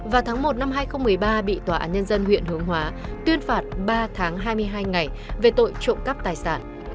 vào tháng một năm hai nghìn một mươi ba bị tòa án nhân dân huyện hướng hóa tuyên phạt ba tháng hai mươi hai ngày về tội trộm cắp tài sản